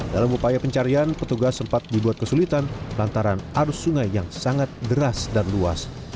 dalam upaya pencarian petugas sempat dibuat kesulitan lantaran arus sungai yang sangat deras dan luas